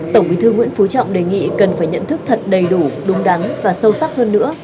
tổng bí thư nguyễn phú trọng đề nghị cần phải nhận thức thật đầy đủ đúng đắn và sâu sắc hơn nữa